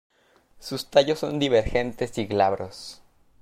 Sus tallos son divergentes y glabros.